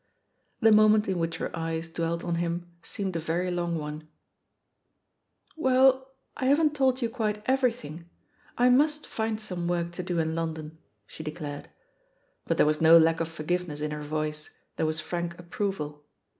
The moment in which her eyes dwelt on him seemed a very long one. 186 THE POSITION OF PEGGY HARPER "Well, I haven't told you quite everything; I must find some work to do in London/' she declared. But there was no lack of forgiveness in her voice, there was frank approval.